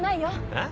えっ？